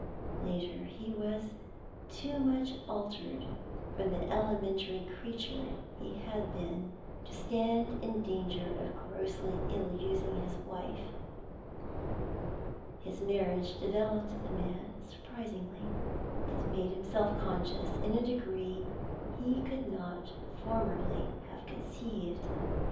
Later, he was too much altered from the elementary creature he had been to stand in danger of grossly ill using his wife. His marriage developed the man surprisingly; it made him self conscious in a degree he could not formerly have conceived.